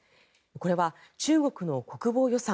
これは中国の国防予算